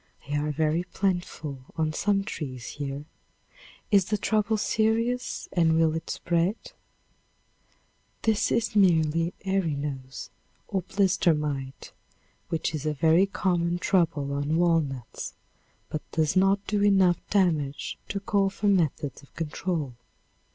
They are very plentiful on some trees here. Is the trouble serious and will it spread? This is merely Erinose, or Blister Mite, which is a very common trouble on walnuts, but does not do enough damage to call for methods of control.